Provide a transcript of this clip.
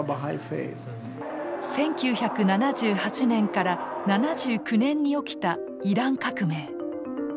１９７８年から７９年に起きたイラン革命。